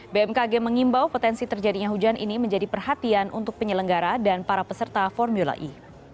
bmkg mengimbau potensi terjadinya hujan ini menjadi perhatian untuk penyelenggara dan para peserta formula e